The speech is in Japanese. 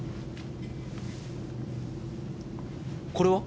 これは？